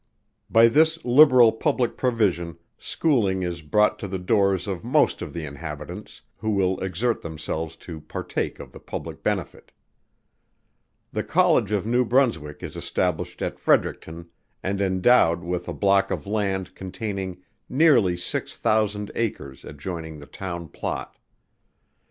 By this liberal public provision schooling is brought to the doors of most of the inhabitants, who will exert themselves to partake of the public benefit. The College of New Brunswick is established at Fredericton and endowed with a block of land containing nearly six thousand acres adjoining the town plot.